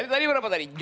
tadi berapa tadi